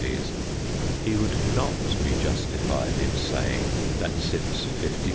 c., he would not be justified in saying that, since 50.3 c.